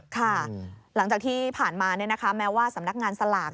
ค่ะหลังจากที่ผ่านมาแม้ว่าสำนักงานสลาก